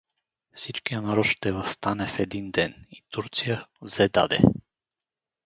Всичкият народ ще въстане в един ден и Турция взе-даде!